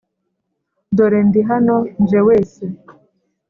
dore ndi hano nje wese